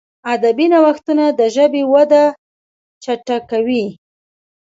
ادبي نوښتونه د ژبي وده چټکوي.